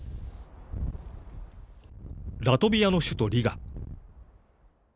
ラトビアの首都リガ。